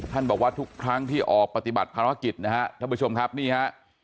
บอกว่าทุกครั้งที่ออกปฏิบัติภารกิจนะฮะท่านผู้ชมครับนี่ฮะ